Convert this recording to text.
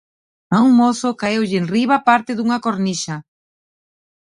A un mozo caeulle enriba parte dunha cornixa.